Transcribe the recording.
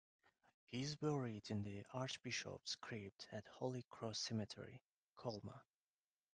He is buried in the Archbishops' Crypt at Holy Cross Cemetery, Colma.